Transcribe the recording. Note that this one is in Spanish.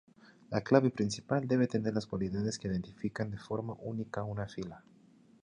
La clave principal debe tener las cualidades que identifican de forma única una fila.